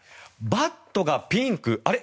バットがピンクあれ？